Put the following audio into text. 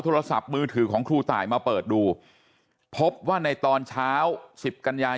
โทรศัพท์มือถือของครูตายมาเปิดดูพบว่าในตอนเช้าสิบกันยา